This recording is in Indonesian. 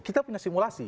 kita punya simulasi